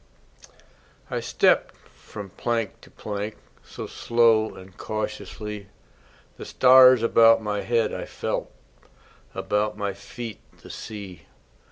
I stepped from plank to plank So slow and cautiously; The stars about my head I felt, About my feet the sea.